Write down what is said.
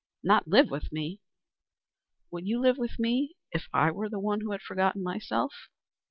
"Not live with me?" "Would you live with me if it were I who had forgotten myself?"